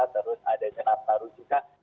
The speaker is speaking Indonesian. terus adanya naf naf baru juga